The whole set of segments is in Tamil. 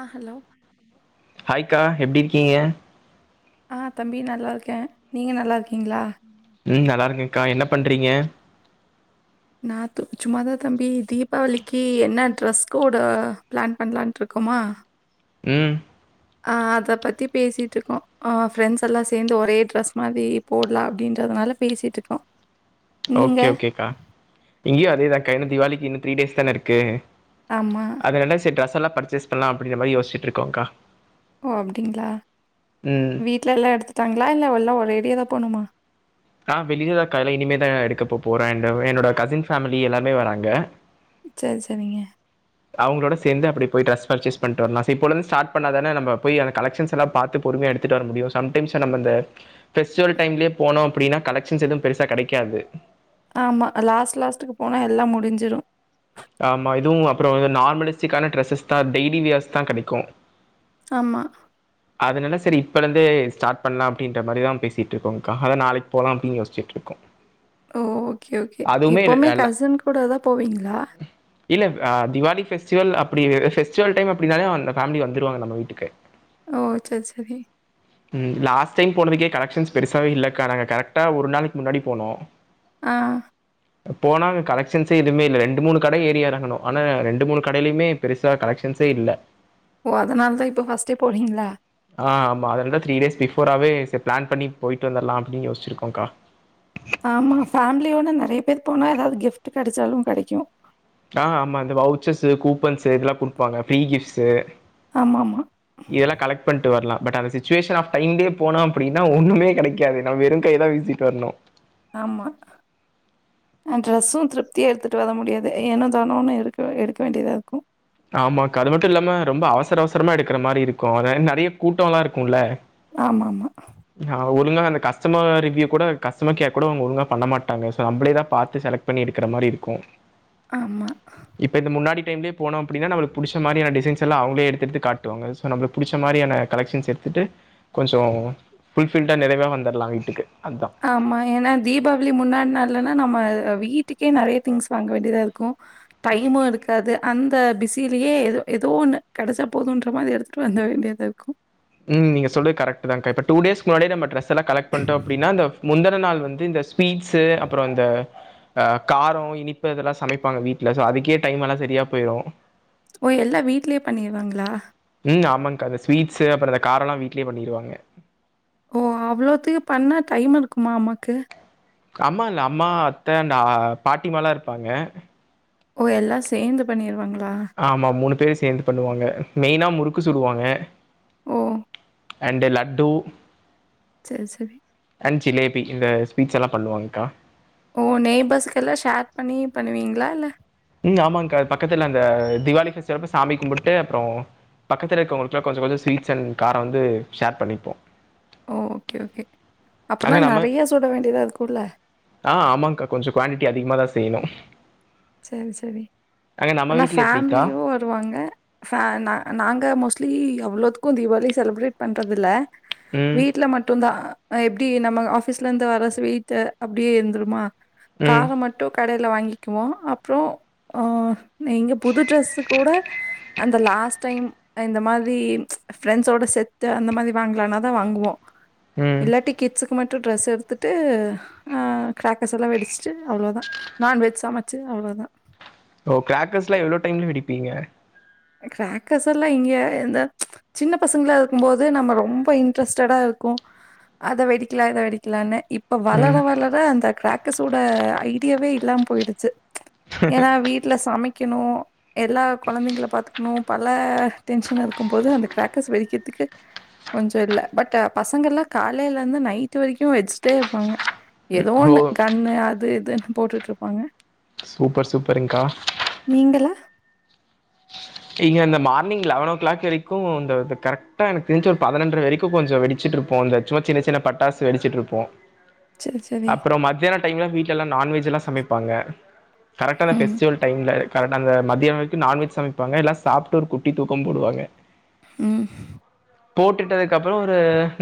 ஆ ஹலோ ஹாய் கரா எப்டி இருக்கிங்க ஆ தம்பி நல்லாருக்கே நீங்க நல்லாருக்கிங்ளா ம் நல்லாருக்கேக்கா என்ன பண்றிங்க நா து சும்மாதா தம்பி தீபாவளிக்கு என்ன ட்ரெஸ் கோடு பிளான் பண்ணலான்ட்ருக்கமா ம் ஆ அத பத்தி பேசிட்ருக்கோ ஆ ஃப்ரெண்ட்ஸ் எல்லா சேந்து ஒரே ட்ரெஸ் மாதி போடலா அப்டின்றதுனால பேசிட்ருக்கோ ஓகே ஓகேக்கா இங்கயு அதேதாக்கா இன்னு திவாளிக்கு இன்னு த்ரீ டேஸ் தான இருக்கு ஆமா அதனால செரி டிரெஸ் எல்லா பர்ச்சேஸ் பண்ணலா அப்டின்ற மாரி யோசிச்ட்டு இருக்கோங்க்கா ஓ அப்டிங்ளா ம் வீட்ல எல்லா எடுத்துட்டாங்களா இல்ல எல்லா ஒரேடியாதா போணுமா ஆ வெளியதாக்க எல்லா இனிமேதா எடுக்க போ போறே அண்டு என்னோட கசின் ஃபேமிலி எல்லாமே வராங்க சேர் செரிங்க அவங்களோட சேந்து அப்டி போய் ட்ரஸ் பர்ச்சேஸ் பண்ட்டு வரலா செரி இப்பலோந்து ஸ்டார்ட் பண்ணா தானே நம்ம போய் அங்க கலெக்சன்ஸ் எல்லா பாத்து பொறுமையா எடு த்துட்டு வர முடியு சம்டைம்ஸ் நம்ம அந்த ஃபெஸ்டிவல் டைம்லயே போனோ அப்டின்னா கலெக்ன்ஸ் எது பெருசா கெடைக்காது ஆமா லாஸ்ட் லாஸ்ட்டுக்கு போனா எல்லா முடிஞ்சிரு ஆமா இதுவு அப்பற வந்து நார்மலிஸ்டிக்கான டிரஸெஸ்தா டெய்லி வியர்ஸ்தா கெடைக்கு ஆமா அதனால செரி இப்பருந்து ஸ்டார்ட் பண்லா அப்டின்ற மாரிதா பேசிட்ருக்கோங்க்கா அத நாளைக்கு போலா அப்டின்னு யோசிச்சிட்ருக்கோ ஓ ஓகே ஓகே எப்பவுமே இல்ல கசின் கூட தா போவீங்களா இல்ல அ திவாளி ஃபெஸ்டிவல் அப்டி பெஸ்டிவல் டைம் அப்டினாலே அந்த ஃபேமிலி வந்துருவாங்க நம்ம வீட்டுக்கு ஓ சேர் சேரி உம் ம் லாஸ்ட் டைம் போனதுக்கே கலக்ஷன்ஸ் பெருசாவே இல்லைக்கா நாங்க கரெக்டா ஒரு நாளைக்கு முன்னாடி போனோ ஆ போனா அங்க கலெக்ஷன்ஸ்ஸே எதுமே இல்ல ரெண் டு மூணு கட ஏரி எறங்குனோ ஆனா ரெண்டு மூணு கடைலையுமே பெருசா கலெக்ஷன்ஸே இல்ல ஓ அதனால தா இப்போ ஃபர்ஸ்டே போறீங்களா ஆ ஆமா அதனால த்ரீ டேஸ் பிஃபோராவே சே பிளான் பண்ணி போய்ட்டு வந்தர்லா அப்டின்னு யோசுச்சுருக்கோ கா ஆமா ஃபேமிலியோட நெறைய பேர் போனா ஏதாவது கிஃப்ட் கெடைச்சாலு கெடைக்கு ஆ ஆமா இந்த வவுச்சர்ஸ்ஸு கூப்பன்ஸ்ஸு இதுலா குடுப்பாங்க ஃபிரீ கிஃப்ட்ஸு ஆமா ஆமா இதெல்லா கலெக்ட் பண்ணிட்டு வர்லா பட் அந்த சிச்சுவேஷன் ஆஃப் டைம்லயே போனோ அப்டின்னா ஒன்னுமே கெடைக்காது நம் வெறு கைய தா வீஸ் சிட்டு வர்னு ஆமா ட்ரெஸு திருப்தியா எடுத்துட்டு வர முடியாது ஏனோ தானோனு எடுக்க எடுக்க வேண்டியதா இருக்கு ஆமாக்கா அது மட்டு இல்லாம ரொம்ப அவசர அவசரமா எடுக்கிற மாரி இருக்கு அத நெறைய கூட்டோ எல்லா இருக்குல்ல ஆமா ஆமா ஆ ஒழுங்கா அந்த கஸ்டமர் ரிவ்வியூ கூட கஸ்டமர் கேர் கூட அவுங்க ஒழுங்கா பண்ண மாட்டாங்க சோ நம்பளேதா பாத்து செலக்ட் பண்ணி எடுக்குற மாரி இருக்கு ஆமா இப்ப இந்த முன்னாடி டைம்லயே போனோ அப் அப்படினா நம்மளுக்கு புடுச்ச மாரி ஆன டிசைஸ் எல்லா அவுங்களே எடுத்து எடுத்து காட்டுவாங்க சோ நம்மளுக்கு படிச்ச மாரி ஆன கலெஷன்ஸ் எடுத்துட்டு கொஞ்சோ ஃபுல்ஃபில்டா நிறைவா வந்துர்லா வீட்டுக்கு அதா ஆமா ஏனா தீபாவளி முன்னாடி நாள்லன்னா நம்ம வீட்டுக்கே நெறைய திங்ஸ் வாங்க வேண்டியதா இருக்கு டைமு இருக்காது அந்த பிஸிலயே எதோ ஏதோ ஒன்னு கெடச்சா போதுன்ற மாதிரி எடுத் ட்டு வந்த வேண்டியதா இருக்கு ம் நீ சொல்றது கரெக்ட்டு தா கா இப்ப டூ டேஸ்கு முன்னாடியே நம்ம டிரஸ் எல்லா கலெக்ட் பண்டோ அப்டினா இந்த முந்தன நாள் வந்து இந்த ஸ் ஸ்வீட்ஸு அப்புற இந்த ஆ கரோ இனிப்பு இதுலா சமைப்பாங்க வீட்ல சோ அதுக்கே டைம் எல்லா சரியா போயிரு ஓ எல்லா வீட்லேயே பண்ணிருவாங்களா ம் ஆமாக்கா இந்த ஸ்வீட்ஸு அப்புற இந்த காரோலா வீட்லயே பண்ணிருவாங்க ஓ அவ்ளோத்துக்கு பண்ணா டைம் இருக்குமா அம்மாக்கு அம்மா இல்ல அம்மா அத்த அண்டு ஆ பாட்டிமால்லா இருப்பாங்க ஓ எல்லா சேந்து பண்ணிருவாங்களா ஆமா மூணு பேரு சேந்து பண்ணுவாங்க மெயினா முறுக்கு சுடுவாங்க ஓ அண்டு லட்டு சேர் சேரி அண்ட் ஜிலேபிக்கி இந்த ஸ்வீட்ஸ் எல்லா பண்ணுவாங்க கா ஓ நெய்பர்ஸு்கெல்லா ஷேர் பண்ணி பண்ணுவீங்களா இல்ல ம் ஆமாங்கா அது பக்கத்துல அந்த திவாளிக்கு சிறப்பு சாமி கும்பிட்டு அப்பறோ பக்கத்துல இருக்குறங்களுக்குலா கொஞ்சொ கொஞ்சொ ஸ்வீட்ஸ் அண்ட் காரோ வந்து ஷேர் பண்ணிப்போ ஓ ஓகே ஓகே அப்பனா அங்க நம்ம நெறையா சுட வேண்டியதா இருக்குல்ல ஆ ஆமாங்க்கா கொஞ்சொ குவாண்டிட்டி அதிகமாதா செய்யணு செரி செரி நம்ம ஆனா வீட்ல எப்படிக்கா? ஃபேமிலியோ டுவாங்க ஃபே நா நாங்க மோஸ்ட்லி அவ்ளோத்துக்கு தீவாளி செலப்ரேட் பண்றதுல்ல ம். வீட்ல மட்டுந்தா அ எப்டி நம்ம ஆஃபிஸ்ல இருந்து வர ஸ்வீட்டு அப்டியே இருந்துருமா ம். காரோ மட் டு கடைல வாங்கிக்குவோ அப்றோ அ எங்க புது ட்ரெஸ்ஸு கூட அந்த லாஸ் டைம் இந்த மாதி ஃப்ரெண்ட்ஸோட செட்டு அந்த மாதி வாங்கலானா தா வாங்குவோ ம். இல்லாட்டி கிட்ஸுக்கு மட்டு ட்ரெஸ் எடுத்துட்டு அ கிராக்கர்ஸ் எல்லா வெடிச்சிட்டு அவ்ளோதா நான்வெஜ் சமச்சு அவ்ளோ தா ஓ கிரேக்கர்ஸ்லா எவ்ளோ டைம்ல வெடிப்பீங்க கிராக்கஸ் எல்லா இங்கே எந்த சின்ன பசங்களா இருக்கும் போது நம்ம ரொம்ப இன்ட்ரெஸ்டடா இருக்கு அத வெடிக்கலா இத வெடிக்கலான்னு இப் ப வளர ம். வளர அந்த கிராக்கஸோட ஐடியாவே இல்லாம போயிடுச்சு ஏனா வீட்ல சமைக்கனு எல்லா கொழந்தைங்கள பாத் க்ணு பல டென்சன் இருக்கம்போது அந்த கிராக்கஸ் வெடிக்கதுக்கு கொஞ்சொ இல்ல பட் பசங்க எல்லா காலைலருந்து நைட் வரைக்கு வெடிச்சிட்டே இருப்பாங்க எதோ ஓ! ஒன்னு கண்ணு அது இதுன்னு போட்டுட்ருப்பாங்க சூப்பர் சூப்பர் ங்கா நீங்கள இங்க இந்த மார்னிங் லெவன் ஓ கிளாக் வரைக்கு இந்தந்த கரெக்டா எனக்கு தெரிஞ்சு ஒரு பதினொன்ற வரைக்கும் கொஞ்சொ வெடிச்சிட்டு இருப்போ இந்த சும்மா சின்ன சின்ன பட்டாசு வெடிச்சுட்டு இருப்போ சரி, சரி. அப்றோ மதியான டைம்ல வீட் ட்லல்லா நான்வெஜ் எல்லா சமைப்பாங்க கரெக்டா அந்த ம், ஃபெஸ்டிவல் டைம்ல கரட்டா அந்த மதிய வரைக்கு நான்வெஜ் சமைப்பாங்க எல்லா சாப்ட்டு ஒரு குட்டி தூக்கம் போடுவாங்க ம் போட்டுட்டு அதுக்கு அப்பறோ ஒரு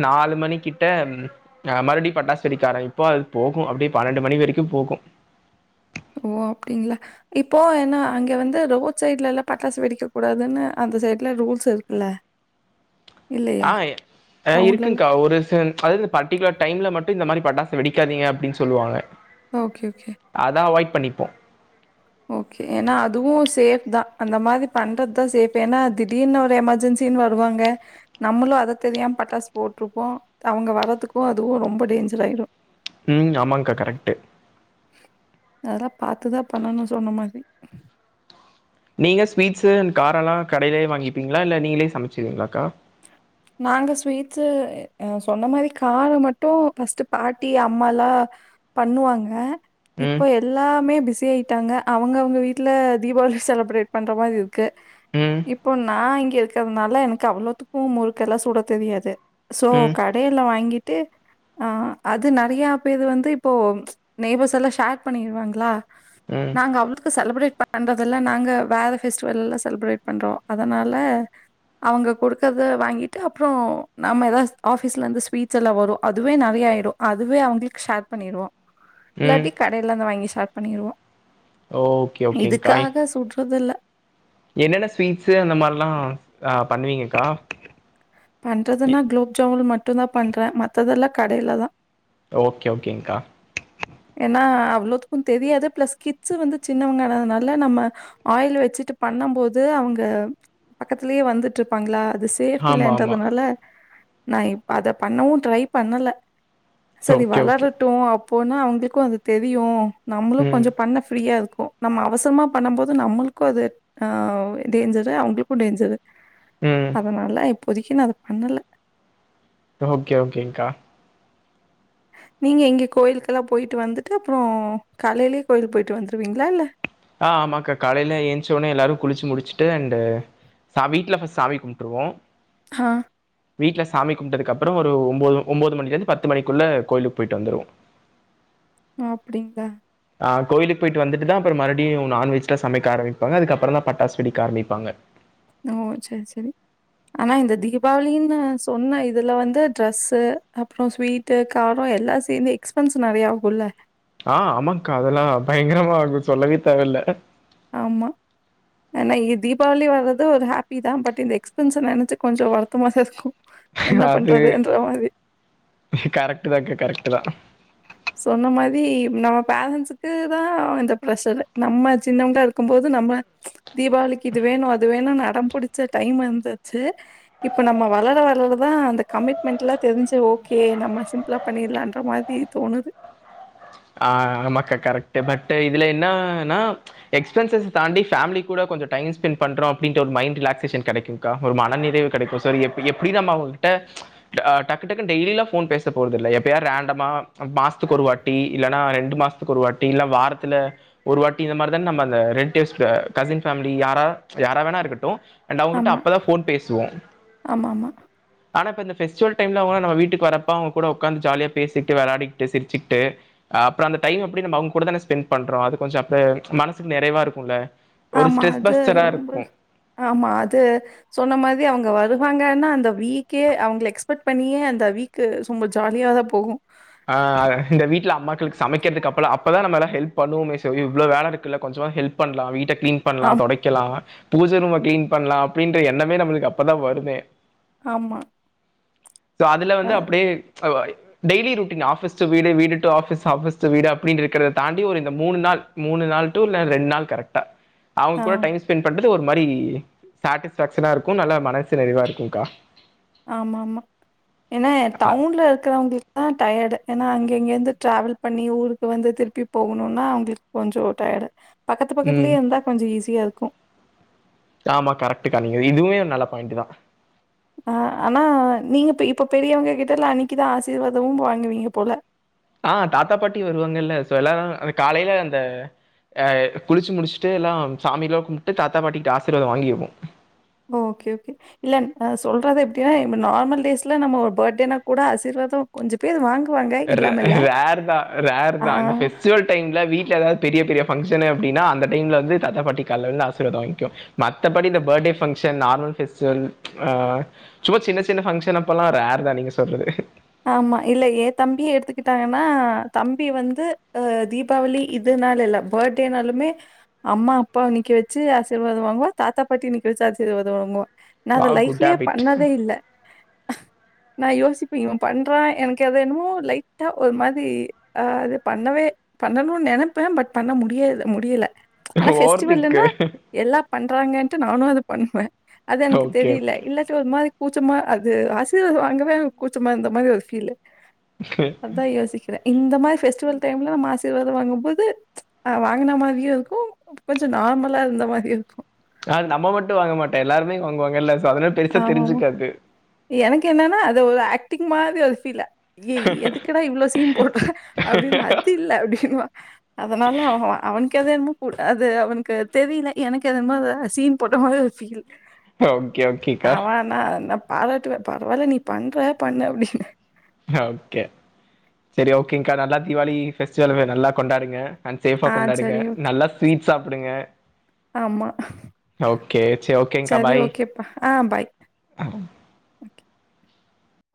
நாலு மணி கிட்ட ம் அ மறுபடியு பட்டாசு வெடிக்க ஆரமிப்போ அது போகு அப்டியே பன்னெண்டு மணி வரைக்கு போகு ஓ அப்டிங்ளா இப்போ ஏன்னா அங்கே வந்து ரோட் சைட்லல்லா பட்டாசு வெடிக்க கூடாதுன்னு அந்த சைடு்ல ரூல்ஸ் இருக்குல்ல இல்லையா? ஆயெ ஆ டவுன்லலாம்? இருக்குங்கா ஒரு சன் அதாவ்து இந்த பர்டிகுலர் டைம்ல மட்டு இந்த மாரி பட்டாசு வெடிக்காதிங்க அப்டின் சொல்லுவாங்க ஓகே ஓகே அதா அவாய்ட் பண்ணிப்போ ஓகே ஏனா அதுவு சேஃப் தா அந்த மாதி பண்றதா சேஃப் ஏன்னா திடீர்னு ஒரு எமர்ஜென்சி சின் வருவாங்க நம்மளு அத தெரியாம பட்டாசு போட்ருப்போ அவங்க வர்றதுக்கு அதுவு ரொம்ப டேஞ்சர் ஆய்ரு ம் ஆமாங்க்கா கரெக்ட்டு அதெல்லா பாத்து தா பண்ணணு சொன்ன மாரி நீங்க ஸ்வீட்ஸ்ஸு அண்ட் காரல்லா கடைலே வாங்கிப்பீங்ளா இல்ல நீங்களே சமைச்சிருவீங்ளாக்கா நாங்க ஸ்வீட்ஸ்ஸு அ சொன்ன மாரி காரோ மட்டு ஃபஸ்ட் பாட்டி அம்மாலா பண்ணுவாங்க இப்ப ம். எ எல்லாமே பிஸி ஆயிட்டாங்க அவங்க அவங்க வீட்ல தீபாவளி செலப்ரேட் பண்ற மாரி இருக்கு ம் இப்போ நா இங்க இருக்கிறதுனால எனக்கு அவ்ளோத்துக்கு முறுக்கெல்லா சுட தெரியாது சோ ம். பேர்ல்லா வாங்கிட்டு ஆ அது நெறையா பேர் வந்து இப்போ நெய்பர்ஸ் எல்லா ஷேர் பண்ணிற்வாங்களா ம். நாங்க அவளுக்கு செலிப்ரேட் பண் பண்றதெல்லா நாங்க வேற பெஃஸ்டிவல் எல்லா செலிப்ரேட் பண்றோ அதனால அவங்க குடுக்கறத வாங்கிட் டு அப்றோ நம்ம எதாவ் ஆபீஸ்லேந்து சுவீட்ஸ்ல்லா வரும் அதுவே நெறைய ஆகிடு அதுவே அவ்ங்களுக்கு ஷேர் பண்ணிற்வோ ம். இல்லாட்டி கடையிலந்து வாங்கி ஷேர் பண்ணிற்வோ ஓகே, ஓகேங்க்கா. இதுக்காக சுற்றுதுல்ல என்னென்ன ஸ்வீட்ஸ்ஸு அந்த மாரிலா அ பண்ணுவீங்கக்கா பண்றதுன்னா குலோப் ஜாமுன் மட்டு தா பண்றே மத்ததெல்லா கடைல தா ஓக்கே ஓகேங்கா ஏன்னா அவ்ளோதுக்கு தெரியாது ப்ளஸ் கிட்ஸ் வந்து சின்னவங்கனதுனால நம்ம ஆயில் வச்சுட்டு பண்ணும் போது அவுங்க பக்கத்திலே வந்துட்டுருப்பாங்களா அது சேஃப் ஆமா ஆமா இல்லன்றதுனால நா இப்ப அத பண்ணவு ட்ரை பண்ணல சேரி ஓகே ஓகே வளரட்டு அப்போன்னா அவுங்களுக்கு அது தெரியு நம்மளு ம் கொஞ்ச பண்ண ஃப்ரீயாருக்கு நம்ம அவசரமா பண்ணும் போது நம்மளுக்கு அது ஆ டேஞ்சரு அவுங்களுக்கு டேஞ்சரு ம் அதனால இப்போதிக்கு நா அத பண்ணல ஓகே ஓகேங்க்கா நீங்க இங்கே கோயிலுக்கெல்லா போயிட்டு வந்துட்டு அப்றோ காலைலயே கோயிலுக்கு போயிட்டு வந்துற்வீங்களால ஆ ஆமாங்கா காலைல ஏஞ்ச்சு வொன்னே எல்லாரு குளிச்சு முடிச்சுட்டு அண்ட் சா வீட்ல ஃபஸ்ட் சாமி கும்டுருவோ ஹா வீட்ல சாமி கும்ட்டதுகப்பறோ ஒரு ஒம்பது ஒம்பது மணில இருந்து பத்து மணிக்குள்ள கோவிலுக்கு போயிட்டு வந்துருவோ ஆப்டிங்க ஆ கோயிலுக்கு போயிட்டு வந்துட்டு தா அப்றோ மறுடியு நான்வெஜ்லா சமைக்க ஆரம்பிப்பாங்க அதுப்பறம் தா பட்டாச வெடிக்க ஆரம்பிப்பாங்க ஓ செர் செரி ஆனா இந்த தீபாவளின்னு சொன்ன இதுல வந்து ட்ரெஸ்ஸு அப்றோ ஸ்வீட் டு காரோ எல்லா சேந்து எக்ஸ்பென்ஸ் நெறய ஆகுல்ல ஆ ஆமாங்கா அதெல்லா பயங்கரமா ஆகும் சொல்லவே தேவயில்ல ஆம்மா ஆனா இ தீபாவளி வர்றது ஒரு ஹாப்பி தா பட் இந்த எக்ஸ்பென்ச நெனச்சு கொஞ்சோ வருத்த மாதாயிர்க்கு அது கரெக்ட் தான்கா கரெக்ட் தா சொன்ன மாரி நம்ம பேரண்ட்ஸுக்கு தா அந்த ப்ரஷர் நம்ம சின்னவங்களா இருக் கும்போது நம்ம தீபாவளிக்கு இது வேணும் அது வேணும்னு அடம் புடிச்சு டைம் வந்தாச்சு இப்ப நம்ம வளர வரளதா அந்த கமிட்மெண்ட் எல்லா தெரிஞ்சு ஓகே நம்ம சிம்பிளா பண்ணிட்லான்ற மாதி தோணுது ஆ ஆமாக்கா கரெக்ட் பட் இதுல என்னான்னா எக்ஸ்பென்சஸ் தாண்டி பேமிலி கூட கொஞ்சோ டைம் ஸ்பென்பண்றோ அப்டி ஒரு மைண்ட் ரிலாக் சேஷன் கெடைக்கு கா ஒரு மன நிறைவு கெடைக்கு சர் எ எப்டி நம்ம அவுங்கட்ட ஆ டக்கு டக்குனு டெய்லிலாம் ஃபோன் பேச போறதில்ல எப்ப யா ரேண்டமா மாசத்துக்கு ஒரு வாட்டி இல்லன்னா ரெண்டு மாதத்துக்கு ஒரு வாட்டி இல்ல வாரத்துல ஒரு வாட்டி இந்த மாறிதானே நம்ம அந்த ரெண்டியஸ்ட்டு கசின் ஃபேமிலி யாரா யாரா வேணா இருக்கட்டும் அண்ட் அவுங்கிட்ட ஆமா. அப்பதா ஃபோன் பேசுவோ ஆமாமா. ஆமா. ஆனா இப்ப இந்த பெஸ்டிவல் டைம்ல அவுங்கல்லா நம்ம வீட்டுக்கு வரப்ப அவுங்க கூட உக்காந்து ஜாலியா பேசிட்டு வெளாடிட்டு சிரிச்சுட்டு அ அப்றோ அந்த டைம் அப்டி நம்ம அவுங்க கூட தானே ஸ்பெண்ட் பண்றோ அது கொஞ்சோ அப்ப மனசுக்கு நிறைவா இருக்குல்ல ஒரு ஆமா ஸ்ரெஸ் அது பஸ்டரா ரொம்ப இருக்கும் ஆமா அது சொன்ன மாதி அவுங்க வருவாங்கன்னா அந்த வீக்கே அவங்க எக்ஸ்பெக்ட் பண்ணியே அந்த வீக் க்கு சும்மா ஜாலியா தா போகும் ஆ இந்த வீட்ல அம்மாக்களுக்கு சமைக்கிறதுக்கு அப்பல்லா அப்பதா நம்ம எல்லா ஹெல்ப் பண்ணுவோமே சோய் இவ்ளோ வேல இருக்குல்ல கொஞ்சமா ஹெல்ப் பண்லா வீட்ட கிளீன் பண்லா ஆம் தொடைக்கலா பூஜை ரூம கிளீன் பண்லா அப்டின்ற எண்ணமே நம்மளுக்கு அப்பதா வருமே ஆமா சோ அதுல அ வந்து அப்டியே ஓ டெய்லி ரொட்டீன் ஆபீஸ் டு வீடு வீடு டு ஆபீஸ் ஆபீஸ் டு வீடு அப்டின் இருக்கிறத தாண்டி ஒரு இந்த மூணு நாள் மூணு நாள் டூ இல்ல ரெண்ட் நாள் கரெக்டா ஆ அவுங்கூட டைம் ஸ்பெண்ட் பண்றது ஒரு மாறி சாட்டிஸ் ஃபேஷனா இருக்கும் நல்லா மனசு நிறைவா இருக்குங்க்கா ஆமா ஆமா ஏன்னா ஆ, டவுன்ல இருக்கறவங்களுக் குதா டயர்டு ஏன்னா அங்க இங்க இருந்து டிராவல் பண்ணி ஊருக்கு வந்து திருப்பி போகணுன்னா அவங்களுக்கு கொஞ்சோ டயர்டு பக்கத்து ம் பக்கத்துலயே இருந்தா கொஞ்சோ ஈஸியா இருக்கும் ஆமா கரெக்ட்டுக்கா நீங்க இதுமே நல்ல பாயிண்ட் தா அ ஆனா நீங்க இப்ப பெரியவங்க கிட்டல்லா அன்னைக்குதா ஆசீர்வாதமும் வாங்குவீங்க போல ஆ தாத்தா பாட்டி வருவாங்க இல்ல சோ எல்லாரும் அந்த காலைல அந்த எ குளிச்சு முடிச்சுட்டு எல்லா சாமி எல்லா கும்ட்டு தாத்தா பாட்டிகிட்ட ஆசிர்வாதம் வாங்கிருவோம் ஓக்கே ஓக்கே இல்ல நா சொல்றது எப்டின்னா நார்மல் டேஸ்ல நம்ம பர்த்ட்டேனா கூட ஆசீர்வாதம் கொஞ்ச பேரு வாங்குவாங்க ரே இல்லாம இல்ல. ரேர் தா ரேர் ஆ தா இந்த வெஸ்டிவல் அந்த டைமில்ல வீட்ல ஏதாவது பெரிய பெரிய ஃபங்க்ஷனு அப்டின்னா அந்த டைம்ல வந்து தாத்தா‌ பாட்டி கால்ல விழுந்து ஆசிர்வாதம் வாங்கிக்கோ மத்தபடி இந்த பர்த்டே பங்க்ஷன் நார்மல் ஃபெஸ்டிவல் அ சும்மா சின்ன சின்ன பங்ஷன் அப்பல்லா ரேர் தா நீங்க சொல்றது ஆமா இல்ல ஏ தம்பியே எடுத்துக்கிட்டாங்கன்னா தம்பி வந்து அ தீப் பாவளி இதுனால இல்ல பர்த்டேனாலுமே அம்மா அப்பாவ நிக்க வச்சு ஆசீர்வாதம் வாங்குவோ தாத்தா பாட்டிய நிக்க வச்சு ஆசீர்வாதம் வாங்குவோம் நா அத வா குட் லைஃப்லயே ஹேபிட் பண்ணதே இல்ல நா யோசிப்ப பண்றா எனக்கு ஏதோ என்னமோ லைட்டா ஒரு மாதிரி ஆ இது பண்ணவே பண்ணணும்னு நெனைப்பே பட் பண்ண முடியாது முடியல ஆனா ஓவர் திங்க் வெஸ்டிவல்லுன்னா எல்லா பண்றாங்கன்ட்டு நானும் அத பண்ணுவே அது எனக்கு ஓகே தெரியல ஓகே இல்ல ச்சு ஒரு மாதிரி கூச்சமா அது ஆசீர்வாத‌ வாங்கவே கூச்சமா இருந்த மாறி ஒரு ஃபீல்லு அத்தா யோசிக்கிறே இந்த மாறி வெஸ்டிவல் டைம்ல நம்ம ஆசிர்வாதம் வாங்கும்போது அ வாங்குன மாறியு இருக்கும் கொஞ்சோ நார்மலா இருந்த மாறியு இருக்கும் யாரு நம்ம மட்டும் வாங்க மாட்டோ எல்லாருமே வாங்குவாங்கள்ள சடனா பெருசா ஆமாமா. தெரிஞ்சுக்காது எனக்கு என்னன்னா அது ஒரு ஆக்டிங் மாதிரி ஒரு ஃபீல்லு ஏ எதுக்குடா இவ்ளோ சீன் போட்ட அப்டின்னு அது இல்ல அப்டின்னுவா அதனால அவ அவனுக்கு எது வேண்மோ குடு அது அவனுக்கு தெரியல எனக்கு எதுமோ சீன் போட்ட மாதிரி ஒரு‌ ஃபீல் ஆ ஓகே ஓகேக்கா நா என்ன பாராட்டுவே பரவால்ல நீ பண்ற பண்ண அப்டின்னு ஓக்கே செரி ஓகேங்கா நல்லா தீவாளி பெஸ்டிவல் நல்லா கொண்டாடுங்க அண்ட் சேஃபா ஆ கொண்டாடுங்க சரி, ஓகே. நல்லா ஸ்வீட்ஸ் சாப்டுங்க ஆமா. ஓகே செரி ஓகேங்கா சரி, பாய் ஓகேப்பா. ஆ பாய். ம்